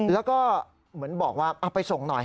แล้วก็เหมือนบอกว่าเอาไปส่งหน่อย